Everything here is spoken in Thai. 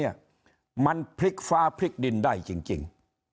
มันพลิกฟ้าพลิกดินได้จริง